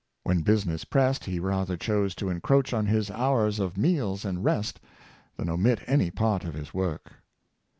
When business pressed he rather chose to encroach on his hours of meals and rest than omit any part of his work.